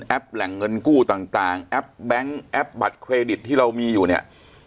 แหล่งเงินกู้ต่างแอปแบงค์แอปบัตรเครดิตที่เรามีอยู่เนี่ย